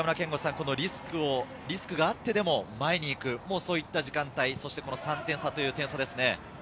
中村憲剛さん、リスクがあってでも前に行く、そういった時間帯、３点差という点差ですね。